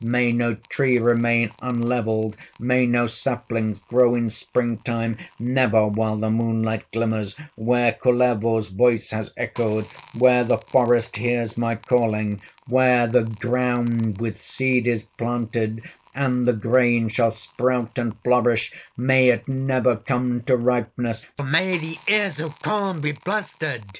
May no tree remain unlevelled, May no saplings grow in spring time, Never while the moonlight glimmers, Where Kullervo's voice has echoed, Where the forest hears my calling; Where the ground with seed is planted, And the grain shall sprout and flourish, May it never come to ripeness, May the ears of corn be blasted!"